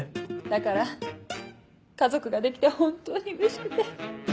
だから家族ができて本当にうれしくて。